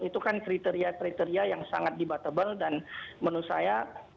itu kan kriteria kriteria yang sangat debatable dan menurut saya